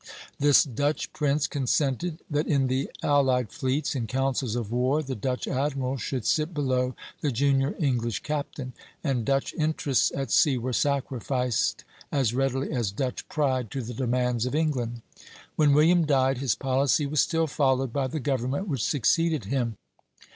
This Dutch prince consented that in the allied fleets, in councils of war, the Dutch admirals should sit below the junior English captain; and Dutch interests at sea were sacrificed as readily as Dutch pride to the demands of England. When William died, his policy was still followed by the government which succeeded him.